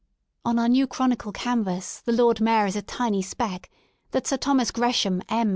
On our new chronicle canvas the Lord Mayor is a tiny speck that Sir Thomas Gresham, M.